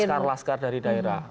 laskar laskar dari daerah